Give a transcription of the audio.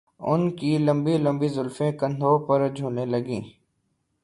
ان کی لمبی لمبی زلفیں کندھوں پر جھولنے لگیں